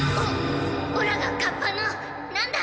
オラがカッパのなんだ？